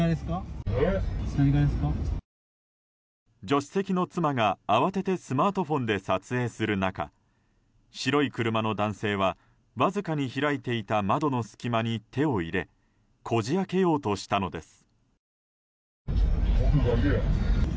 助手席の妻が慌ててスマートフォンで撮影する中白い車の男性はわずかに開いていた窓の隙間に手を入れこじ開けようとしたのです。